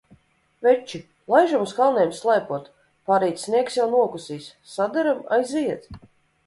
Veči, laižam uz kalniem slēpot, parīt sniegs jau nokusīs! Saderam? Aiziet!